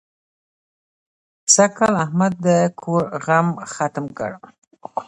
سږکال احمد د کور غم ختم کړ.